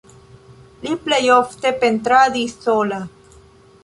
Li plej ofte pentradis sola.